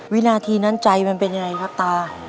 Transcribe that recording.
วินาทีนั้นใจมันเป็นยังไงครับตา